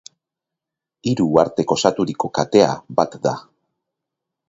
Hiru uhartek osaturiko katea bat da.